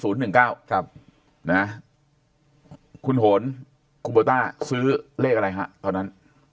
นะครับคุณโหนคุณโบต้าซื้อเลขอะไรครับตอนนั้น